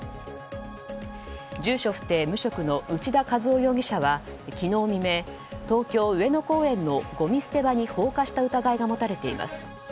住所不定・無職の内田和雄容疑者は昨日未明、東京・上野公園のごみ捨て場に放火した疑いが持たれています。